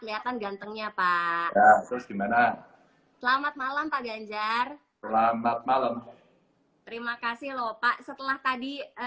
kelihatan gantengnya pak selamat malam pak ganjar selamat malam terima kasih lho pak setelah tadi